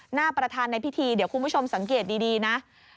หน้าประธานในพิธีเดี๋ยวคุณผู้ชมสังเกตดีนะ